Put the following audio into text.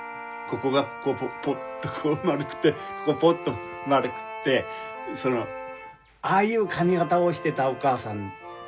ここがポッとこう丸くてここがポッと丸くってそのああいう髪形をしてたお母さん。